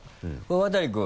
渡君。